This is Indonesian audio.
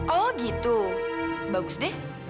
oh gitu bagus deh